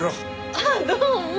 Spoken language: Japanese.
ああどうも。